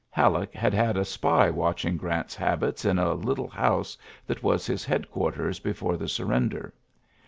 Halleck had had a spy watching Grant's habits in a little house that was his headquarters before the surrender.